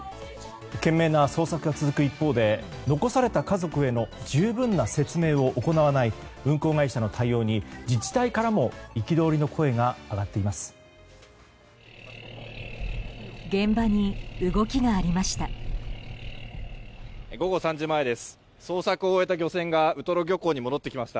懸命な捜索が続く一方で残された家族への十分な説明を行わない運航会社の対応に自治体からも憤りの声が上がっています。